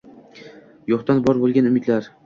Yo‘qdan bor bo‘lgan umidlar